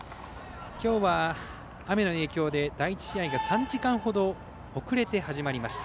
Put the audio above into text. きょうは雨の影響で第１試合が３時間ほど遅れて始まりました。